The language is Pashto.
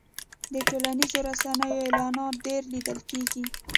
د ټولنیزو رسنیو اعلانات ډېر لیدل کېږي.